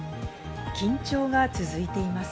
緊張が続いています。